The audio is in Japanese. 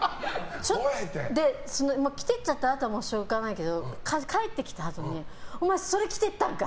着ていっちゃったらしょうがないけど帰ってきたあとにお前、それ着てったんか！